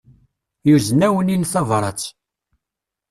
Yuzen-awen-in tabrat.